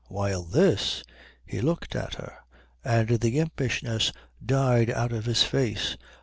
While this " He looked at her, and the impishness died out of his face.